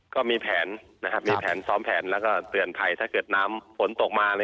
ก็มีแผนซ้อมแผนแล้วก็เตือนภายถ้าเกิดน้ำขนตกมา